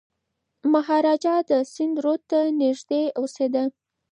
مهاراجا د سند رود ته نږدې اوسېده.